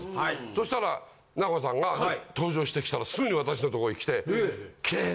そしたらナオコさんが登場してきたらすぐに私のとこへ来て。